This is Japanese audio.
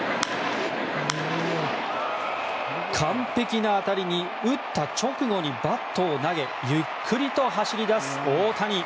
完璧な当たりに打った直後にバットを投げゆっくりと走り出す大谷。